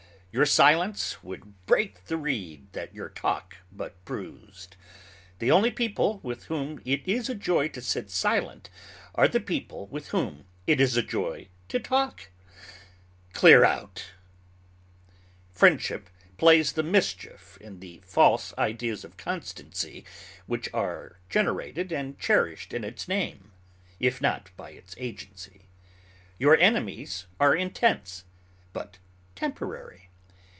Your silence would break the reed that your talk but bruised. The only people with whom it is a joy to sit silent are the people with whom it is a joy to talk. Clear out! Friendship plays the mischief in the false ideas of constancy which are generated and cherished in its name, if not by its agency. Your enemies are intense, but temporary.